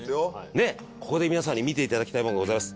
ここで皆さんに見ていただきたいものがございます。